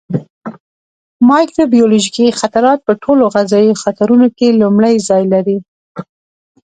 مایکروبیولوژیکي خطرات په ټولو غذایي خطرونو کې لومړی ځای لري.